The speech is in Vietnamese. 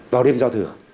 vào đêm giao thừa